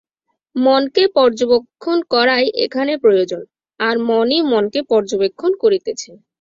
মনকে পর্যবেক্ষণ করাই এখানে প্রয়োজন, আর মনই মনকে পর্যবেক্ষণ করিতেছে।